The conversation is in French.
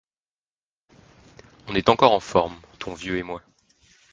On est encore en forme, ton vieux et moi.